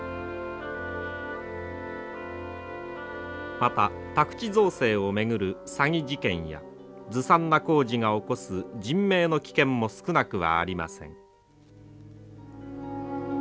また宅地造成を巡る詐欺事件やずさんな工事が起こす人命の危険も少なくはありません。